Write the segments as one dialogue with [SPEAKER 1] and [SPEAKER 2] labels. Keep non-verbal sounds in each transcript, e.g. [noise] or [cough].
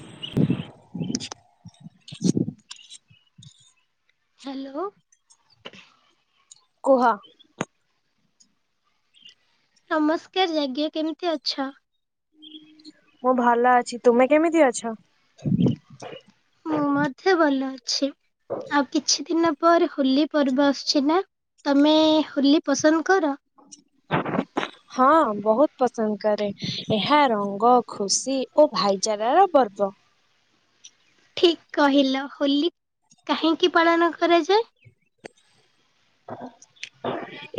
[SPEAKER 1] ହ। [inaudible] [inaudible]
[SPEAKER 2] ହ୍ୟାଲୋ।
[SPEAKER 1] କୁହ।
[SPEAKER 2] ନମସ୍କାର ଆଜ୍ଞା କେମିତି ଅଛ?
[SPEAKER 1] ମୁଁ ଭଲ ଅଛି ତୁମେ କେମିତି ଅଛ?
[SPEAKER 2] ମୁଁ ମଧ୍ୟ ଭଲ ଅଛି ଆଉ କିଛି ଦିନ ପରେ ହୋଲି ପର୍ବ ଆସୁଛି ନା। ତମେ ହୋଲି ପସନ୍ଦ କର?
[SPEAKER 1] ହ। [inaudible]
[SPEAKER 2] [inaudible]
[SPEAKER 1] ହଁ ବହୁତ ପସନ୍ଦ କରେ ଏହା ରଙ୍ଗ ଖୁସି ଓ ଭାଇଚାରାର ପର୍ବ।
[SPEAKER 2] ଠିକ୍ କହିଲ ହୋଲି କାହିଁକି ପାଳନ କରାଯାଏ?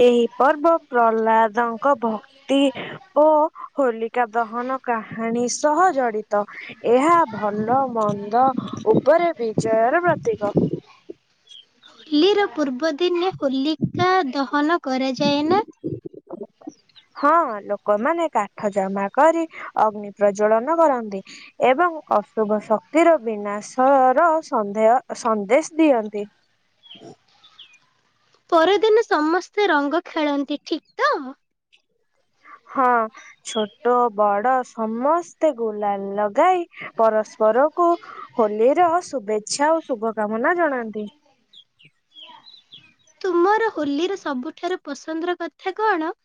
[SPEAKER 1] ଏହି ପର୍ବ ପ୍ରହ୍ଲାଦଙ୍କ ଭକ୍ତି ଓ ହୋଲିକା ଦହନ କାହାଣୀ ସହ ଜଡ଼ିତ। ଏହା ଭଲ ମନ୍ଦ ଉପରେ ବିଜୟର ପ୍ରତୀକ।
[SPEAKER 2] ହୋଲିର ପୂର୍ବ ଦିନେ ହୋଲିକା ଦହନ କରାଯାଏ ନା? ହ। [inaudible]
[SPEAKER 1] ହଁ ଲୋକମାନେ କାଠ ଜମା କରି ଅଗ୍ନି ପ୍ରଜଳନ କରନ୍ତି। ଏବଂ ଅଶୁଭ ଶକ୍ତିର ବିନାଶ ର ସନ୍ଦେହ ସନ୍ଦେଶ ଦିଅନ୍ତି।
[SPEAKER 2] ପରଦିନ ସମସ୍ତେ ରଙ୍ଗ ଖେଳନ୍ତି ଠିକ୍ ତ?
[SPEAKER 1] ହଁ ଛୋଟ ବଡ଼ ସମସ୍ତେ ଗୁଲା ଲଗାଇ ପରସ୍ପର ପରକୁ ହୋଲିର ଶୁଭେଚ୍ଛା ଓ ଶୁଭ କାମନା ଜଣାନ୍ତି।
[SPEAKER 2] ତୁମର ହୋଲିର ସବୁଠାରୁ ପସନ୍ଦର କଥା କଣ?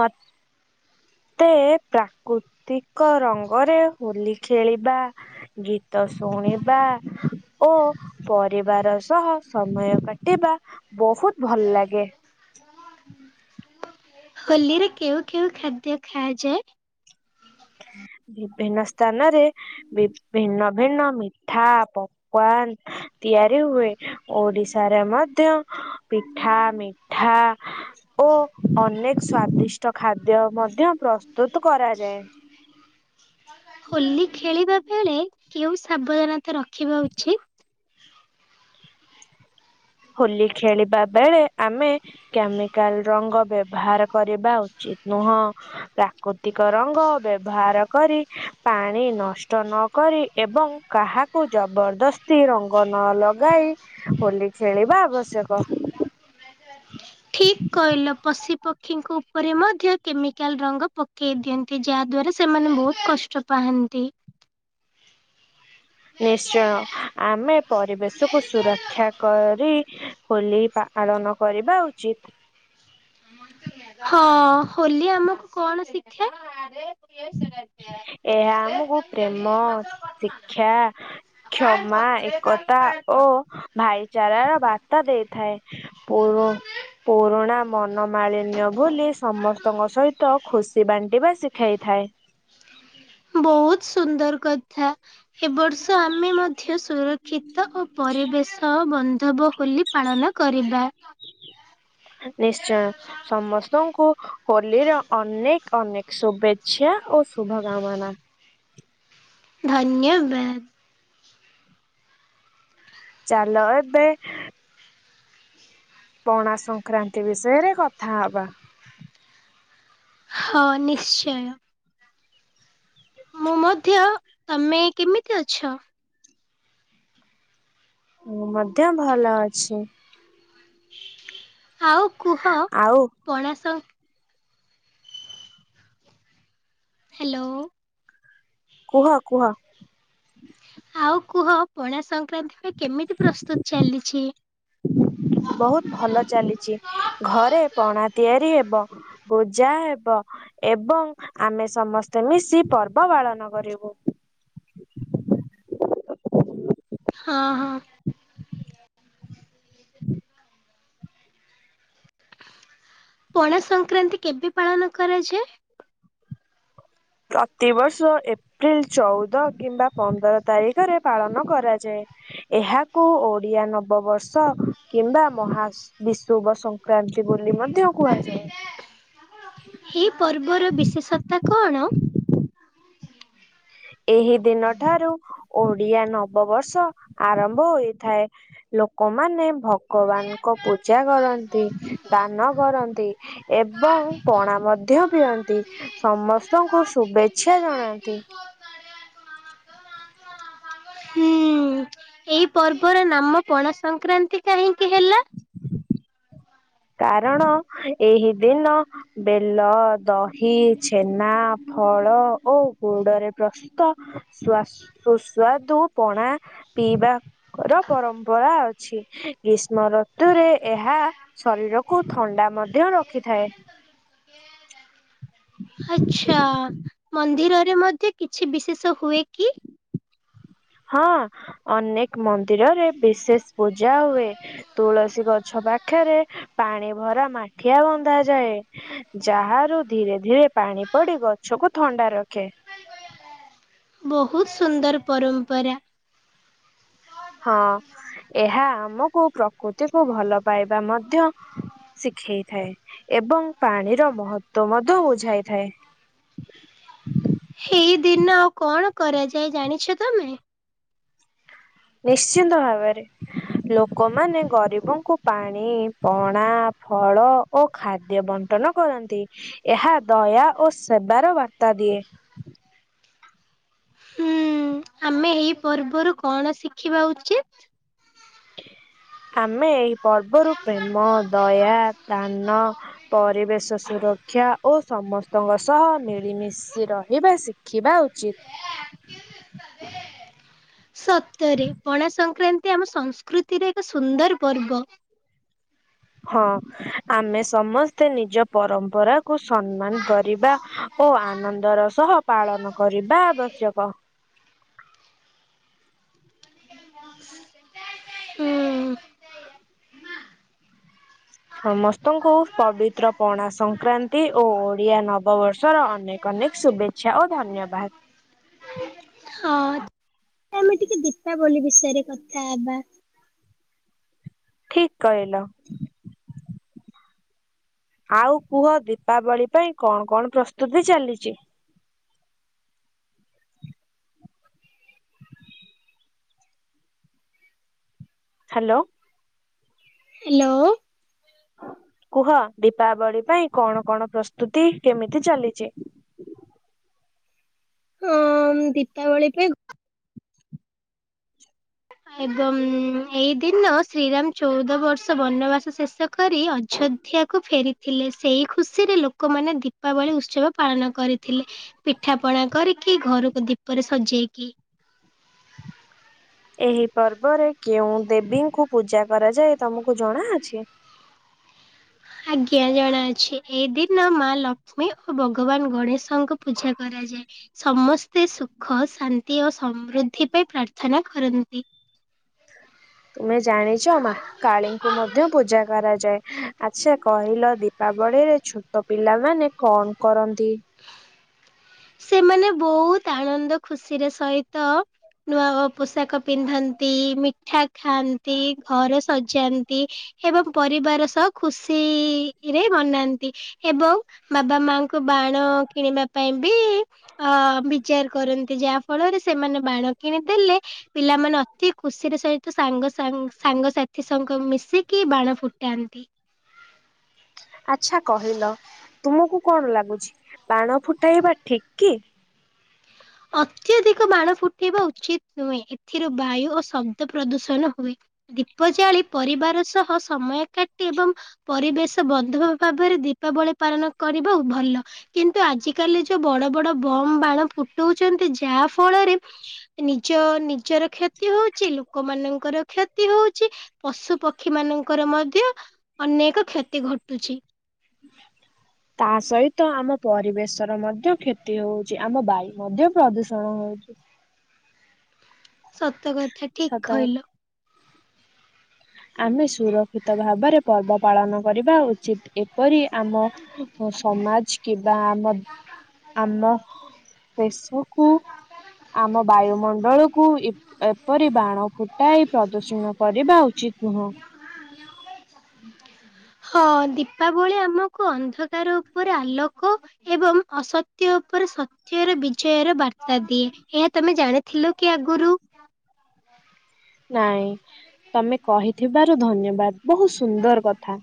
[SPEAKER 1] ମତ ତ ପ୍ରାକୃତିକ ରଙ୍ଗରେ ହୋଲି ଖେଳିବା। ଗୀତ ଶୁଣିବା ଓ ପରିବାର ସହ ସମୟ କାଟିବା ବହୁତ ଭଲଲାଗେ।
[SPEAKER 2] ହୋଲିରେ କେଉଁ କେଉଁ ଖାଦ୍ୟ ଖାଆଯାଏ?
[SPEAKER 1] ବିଭିନ୍ନ ସ୍ଥାନରେ ବି ଭିନ୍ନ ଭିନ୍ନ ମିଠା ପକୱାନ ତିଆରି ହୁଏ। ଓଡିଶାରେ ମଧ୍ୟ ପିଠା, ମିଠା ଓ ଅନେକ ସ୍ଵାଦିଷ୍ଟ ଖାଦ୍ୟ ମଧ୍ୟ ପ୍ରସ୍ତୁତ କରାଯାଏ।
[SPEAKER 2] ହୋଲି ଖେଳିବା ବେଳେ କେଉଁ ସାବଧାନତା ରଖିବା ଉଚିତ?
[SPEAKER 1] ହୋଲି ଖେଳିବା ବେଳେ ଆମେ କ୍ୟାମିକାଲ ରଙ୍ଗ ବ୍ୟବହାର କରିବା ଉଚିତ ନୁହଁ। ପ୍ରାକୃତିକ ରଙ୍ଗ ବ୍ୟବହାରକରି ପାଣି ନଷ୍ଟ ନ କରି ଏବଂ କାହାକୁ ଜବରଦସ୍ତି ରଙ୍ଗ ନଲଗାଇ ହୋଲି ଖେଳିବା ଆବଶ୍ୟକ।
[SPEAKER 2] ଠିକ କହିଲ ପଶି ପ କ୍ଷୀଙ୍କ ଉପରେ ମଧ୍ୟ କେମିକାଲ ରଙ୍ଗ ପକେଇ ଦିଅନ୍ତି ଯାହା ଦ୍ୱାରା ସେମାନେ ବହୁତ କଷ୍ଟ ପାଆନ୍ତି।
[SPEAKER 1] ନିଶ୍ଚୟ, ଆମେ ପରିବେଶକୁୁ ସୁରକ୍ଷା କରି ହୋଲି ପା ପାଳନ କରିବା ଉଚିତ
[SPEAKER 2] [inaudible] ହଁ ହୋଲି ଆମକୁ କଣ ଶିଖାଏ ବେସରଦିଆ
[SPEAKER 1] ଏହା ଆମକୁ ପ୍ରେମ ଶିକ୍ଷା କ୍ଷମା ଏକତା ଓ ଭାଇଚାରାର ବାର୍ତ୍ତା ଦେଇଥାଏ। ପୋର ପୁରୁଣା ମନମାଳିନ୍ୟ ଭୁଲି ସମସ୍ତଙ୍କ ସହିତ ଖୁସି ବାଣ୍ଟିବା ଶିଖାଇ ଥାଏ।
[SPEAKER 2] ବହୁତ ସୁନ୍ଦର କଥା ଏବର୍ଷ ଆମେ ମଧ୍ୟ ସୁରକ୍ଷିତ ଓ ପରିବେଶ ବନ୍ଧବ ହୋଲି ପାଳନ କରିବା।
[SPEAKER 1] ନିଶ୍ଚୟ, ସମସ୍ତଙ୍କୁ ହୋଲିର ଅନେକ ଅନେକ ଶୁଭେଚ୍ଛା ଓ ଶୁଭ କାମନା।
[SPEAKER 2] ଧନ୍ୟବାଦ।
[SPEAKER 1] ଚାଲ ଏବେ ପଣା ସଂକ୍ରାନ୍ତି ବିଷୟରେ କଥାହବା।
[SPEAKER 2] ହଁ ନିଶ୍ଚୟ। ମୁଁ ମଧ୍ୟ, ତମେ କେମିତି ଅଛ?
[SPEAKER 1] ମୁଁ ମଧ୍ୟ ଭଲ ଅଛି।
[SPEAKER 2] ଆଉ କୁହ
[SPEAKER 1] ଆଉ
[SPEAKER 2] ପଣା ସ ହାଲୋ।
[SPEAKER 1] କୁହ କୁହ
[SPEAKER 2] ଆଉ କୁହ ପଣା ସଂକ୍ରାନ୍ତିରେ ପାଇଁ କେମିତି ପ୍ରସ୍ତୁତ ଚାଲିଛି?
[SPEAKER 1] ବହୁତ ଭଲ ଚାଲିଛି ଘରେ ପଣା ତିଆରି ହେବ। ପୂଜା ହେବ ଏବଂ ଆମେ ସମସ୍ତେ ମିଶି ପର୍ବ ପାଳନ କରିବୁ।
[SPEAKER 2] ହଁ ହଁ ପଣା ସଂକ୍ରାନ୍ତି କେବେ ପାଳନ କରାଯାଏ?
[SPEAKER 1] ପ୍ରତିବର୍ଷ ଏପ ପ୍ରିଲ ଚଉଦ କିମ୍ବା ପନ୍ଦର ତାରିଖରେ ପାଳନ କରାଯାଏ। ଏହାକୁ ଓଡିଆ ନବବର୍ଷ କିମ୍ବା ମହା ବିଶୁଭ ସଂକ୍ରାନ୍ତି ବୋଲି ମଧ୍ୟ କୁହାଯାଏ।
[SPEAKER 2] ଏହି ପର୍ବର ବିଶେଷତା କଣ?
[SPEAKER 1] ଏହି ଦିନ ଠାରୁ ଓଡିଆ ନବବର୍ଷ ଆରମ୍ଭ ହୋଇଥାଏ। ଲୋକମାନେ ଭଗବାନଙ୍କ ପୂଜା କରନ୍ତି ଦାନ କରନ୍ତି। ଏବଂ ପଣା ମଧ୍ୟ ପିଅନ୍ତି। ସମସ୍ତଙ୍କୁ ଶୁଭେଚ୍ଛା ଜଣାନ୍ତି।
[SPEAKER 2] [inaudible] ହୁଁ ଏଇ ପର୍ବର ନାମ ପଣା ସଂକ୍ରାନ୍ତି କାହିଁକି? ହେଲା?
[SPEAKER 1] କାରଣ ଏହି ଦିନ ବେଲ, ଦହି, ଛେନା, ଫଳ ଓ ଗୁଡରେ ପ୍ରସ୍ତୁ ତ, ସ୍ଵାଆ ସୁ ସୁସ୍ଵାଦୁ ପଣା ପିଇବା ଙ୍କର ପରମ୍ପରା ଅଛି ଗ୍ରୀଷ୍ମ ଋତୁରେ ଏହା ଶରୀରକୁ ଥଣ୍ଡା ମଧ୍ୟ ରଖିଥାଏ।
[SPEAKER 2] ଆଛା ମନ୍ଦିରରେ ମଧ୍ୟ କିଛି ବିଶେଷ ହୁଏ କି?
[SPEAKER 1] ହଁ ଅନେକ ମନ୍ଦିରରେ ବିଶେଷ ପୂଜା ହୁଏ। ତୁଳସୀ ଗଛ ପାଖରେ ପାଣି ଭରା ମାଠିଆ ବନ୍ଧାଯାଏ। ଯାହାରୁ ଧୀରେ ଧୀରେ ପାଣି ପଡି ଗଛକୁ ଥଣ୍ଡା ରଖେ।
[SPEAKER 2] ବୋହୁତ ସୁନ୍ଦର ପରମ୍ପରା।
[SPEAKER 1] ହଁ ଏହା ଆମକୁ ପ୍ରକୃତିକୁ ଭଲ ପାଇବା ମଧ୍ୟ ଶିଖେଇଥାଏ ଏବଂ ପାଣିର ମହତ୍ଵ ମଧ୍ୟ ବୁଝାଇଥାଏ।
[SPEAKER 2] ହେଇ ଦିନ କଣ କରାଯାଏ ଜାଣିଛ ତମେ?
[SPEAKER 1] ନିଶ୍ଚିନ୍ତ ଭାବରେ। ଲୋକମାନେ ଗରିବଙ୍କୁ ପାଣି, ପଣା, ଫଳ ଓ ଖାଦ୍ୟ ବଣ୍ଟନ କରନ୍ତି ଏହା ଦୟା ଓ ସେବାର ବାର୍ତ୍ତା ଦିଏ।
[SPEAKER 2] ହୁଁ ଆମେ ଏଇ ପର୍ବରୁ କଣ ଶିଖିବା ଉଚିତ?
[SPEAKER 1] ଆମେ ଏଇ ପର୍ବରୁ, ପ୍ରେମ, ଦୟା, ଦାନ ପରିବେଶ ସୁରକ୍ଷା ଓ ସମସ୍ତ ସମନ୍ତ ଙ୍କ ସହ ମିଳିମିଶି ରହିବାର ଶିଖିବା ଉଚିତ।
[SPEAKER 2] ଏ ଆସିବନି ଏଟା ଦେ ସତରେ ପଣା ସଂକ୍ରାନ୍ତି ଆମ ସଂସ୍କୃତିରେ ଏକ ସୁନ୍ଦର ପର୍ବ।
[SPEAKER 1] ହଁ ଆମେ ସମସ୍ତେ ନିଜ ପରମ୍ପରାକୁୁ ସମ୍ମାନ କରିବା ଓ ଆନନ୍ଦର ସହ ପାଳନ କରିବା ଆବଶ୍ୟକ।
[SPEAKER 2] ହୁଁ।
[SPEAKER 1] ସମସ୍ତଙ୍କୁ ପବିତ୍ର ପଣା ସଂକ୍ରାନ୍ତି ଓ ଓଡିଆ ନବବର୍ଷର ଅନେକ ଅନେକ ଶୁଭେଚ୍ଛା ଓ ଧନ୍ୟବାଦ।
[SPEAKER 2] ହଁ ଆମେ ଟିକେ ଦୀପାବଲି ବିଷୟରେ କଥା ହବା।
[SPEAKER 1] ଠିକ୍ କହିଲ। ଆଉ କୁହ ଦୀପାବଳି ପାଇଁ କଣ, କଣ ପ୍ରସ୍ତୁତି ଚାଲିଚି? ହାଲୋ।
[SPEAKER 2] ହ୍ୟାଲୋ।
[SPEAKER 1] କୁହ ଦୀପାବଳି ପାଇଁ କଣ, କଣ ପ୍ରସ୍ତୁତି କେମିତି ଚାଲିଚି?
[SPEAKER 2] ହଁ ଦୀପାବଳି ପେଇଁ ଏବଂ ଏଇ ଦିନ ଶ୍ରୀରାମ ଚଉଦ ବର୍ଷ ବନବାସ ଶେଷ କରି ଅଯୋ ଧ୍ୟାଆକୁ ଫେରିଥିଲେ, ସେହି ଖୁସିରେ ଲୋକମାନେ, ଦୀପାବଳି ଉତ୍ସବ ପାଳନ କରିଥିଲେ। ପିଠା, ପଣା କରିକି, ଘରକୁ ଦୀପରେ ସଜେଇକି
[SPEAKER 1] ଏହି ପର୍ବରେ କେଉଁ ଦେବୀଙ୍କୁ ପୂଜା କରାଯାଏ, ତମକୁ ଜଣାଅଛି?
[SPEAKER 2] ଆଜ୍ଞା, ଜଣାଅଛି। ଏଇ ଦିନ ମା ଲକ୍ଷ୍ମୀ ଓ ଭଗବାନ ଗଣେଶଙ୍କୁ ପୂଜା କରାଯାଏ। ସମସ୍ତେ ସୁଖ, ଶାନ୍ତି ଓ ସମୃଦ୍ଧି ପାଇଁ ପ୍ରାର୍ଥନା କରନ୍ତି।
[SPEAKER 1] ତୁମେ ଜାଣିଚ, ମା କାଳୀଙ୍କୁ ମଧ୍ୟ ପୂଜା କରାଯାଏ। ଆଚ୍ଛା କହିଲ, ଦୀପାବଳିରେ ଛୋଟ ପିଲାମାନେ କଣ କରନ୍ତି?
[SPEAKER 2] ସେମାନେ, ବହୁତ ଆନନ୍ଦ, ଖୁସିର ସହିତ ନୂଆ ପୋଷାକ ପିନ୍ଧନ୍ତି, ମିଠା ଖାଆନ୍ତି, ଘର ସଜାନ୍ତି। ଏବଂ ପରିବାର ସହ ଖୁସିରେ ମନାନ୍ତି। ଏବଂ ବାବା ମାଙ୍କୁ ବାଣ କିଣିବା ପାଇଁ ବି ଅ ବିଚାର କରନ୍ତି। ଯାହା ଫଳରେ ସେମାନେ ବାଣ କିଣି ଦେଲେ ପିଲାମାନେ ତି ଖୁସିର ସହିତ ସାଙ୍ଗ ସାଙ୍ଗ ସାଙ୍ଗସାଥିସଙ୍ଗ ମିଶିକି ବାଣ ଫୁଟାନ୍ତି।
[SPEAKER 1] ଆଚ୍ଛା କହିଲ ତୁମକୁ କଣ ଲାଗୁଛି ବାଣ ଫୁଟାଇବା ଠିକ୍ କି?
[SPEAKER 2] ଅତ୍ୟଧିକ ବାଣ ଫୁଟେଇବା ଉଚିତ ନୁହେଁ। ଏଥିରୁ ବାୟୁ ଓ ଶବ୍ଦ ପ୍ରଦୂଷଣ ହୁଏ। ଦୀପ ଜାଳି ପରିବାର ସହ ସମୟ କାଟି ଏବଂ ପରିବେଶ ବନ୍ଧୁ ଭାବରେ ଦୀପାବଳି ପାଳନ କରିବା ଭଲ। କିନ୍ତୁ ଆଜିକାଲି ଯୋଉ ବଡ ବଡ ବମ୍ ବାଣ ଫୁଟଉଛନ୍ତି ଯାହା ଫଳରେ ନିଜ ନିଜର କ୍ଷତି ହଉଚି ଲୋକମାନଙ୍କର କ୍ଷତି ହଉଛି। ପଶୁ ପକ୍ଷୀ ମାନଙ୍କର ମଧ୍ୟ ଅନେକ କ୍ଷତି ଘଟୁଛି।
[SPEAKER 1] ତା ସହିତ ଆମ ପରିବେଶ ର ମଧ୍ୟ କ୍ଷତି ହଉଛି। ଆମ ବାୟୁ ମଧ୍ୟ ପ୍ରଦୂଷଣ ହଉଛି।
[SPEAKER 2] ସତ କଥା
[SPEAKER 1] ସତ
[SPEAKER 2] ଠିକ କହିଲ।
[SPEAKER 1] ଆମେ ସୁରକ୍ଷିତ ଭାବରେ ପର୍ବ ପାଳନ କରିବା ଉଚିତ। ଏପରି ଆମ ସମାଜ କିମ୍ବା ଆମ ଆମ ଦେଶକୁ ଆମ ବାୟୁମଣ୍ଡଳକୁୁ ଇ ଏପରି ବାଣ ଫୁଟାଇ ପ୍ରଦୂଷଣ କରିବା ଉ ଚିତ୍‌ ନୁହଁ।
[SPEAKER 2] ହଁ ଦୀପାବଳି ଆମକୁ ଅନ୍ଧକାର ଉପରେ ଆଲୋକ ଏବଂ ଅସତ୍ୟ ଉପରେ ସତ୍ୟର ବିଜୟର ବା ର୍ତ୍ତା ଦିଏ। ଏହା ତମେ ଜାଣିଥିଲ କି ଆଗରୁ?
[SPEAKER 1] ନାଇଁ। ତମେ କହିଥିବାରୁ ଧନ୍ୟବାଦ ବହୁତ ସୁନ୍ଦର କଥା।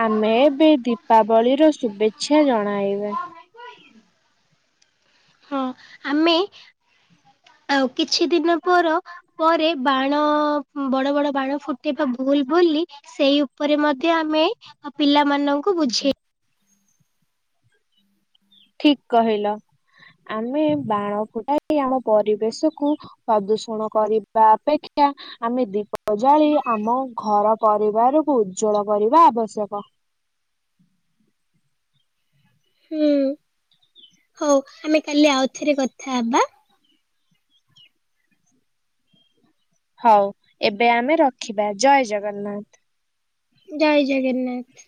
[SPEAKER 1] ଆମେ ଏବେ ଦୀପାବଳିର ଶୁଭେଚ୍ଛା ଜଣାଇବା।
[SPEAKER 2] ହଁ ଆମେ ଆଉ କିଛି ଦିନ ପର ପରେ ବାଣ ବଡ ବଡ ବାଣ ଫୁଟେଇବା ଭୁଲ ବୋଲି ସେଇ ଉପରେ ମଧ୍ୟ ଆମେ ପିଲା ମାନଙ୍କୁ ବୁଝେଇ
[SPEAKER 1] ଠିକ୍ କହିଲ। ଆମେ ବାଣ ଫୁଟାଇ ଆମ ପରିବେଶକୁ ପ୍ରଦୂଷଣ କରିବା ଅପେକ୍ଷା ଆମେ ଦୀପ ଜାଳି ଆମ ଘର ପରିବାରକୁ ଉଜ୍ଜଳ କରିବା ଆବଶ୍ୟକ।
[SPEAKER 2] ହୁଁ। ହଉ ଆମେ କାଲି ଆଉଥରେ କଥା ହବା।
[SPEAKER 1] ହଉ ଏବେ ଆମେ ରଖିବା ଜୟ ଜଗନ୍ନାଥ।
[SPEAKER 2] ଜୟ ଜଗନ୍ନାଥ।